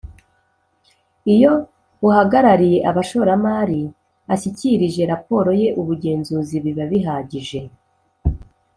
Iyo uhagarariye abashoramari ashyikirije raporo ye ubugenzuzi biba bihagije